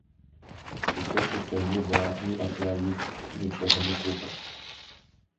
І хочацца ні да, ні пасля іх нічога не слухаць.